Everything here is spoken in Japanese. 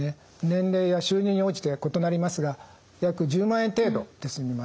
年齢や収入に応じて異なりますが約１０万円程度で済みます。